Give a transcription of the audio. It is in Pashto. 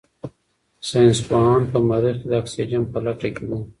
ساینس پوهان په مریخ کې د اکسیجن په لټه کې دي.